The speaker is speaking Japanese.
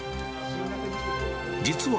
実は、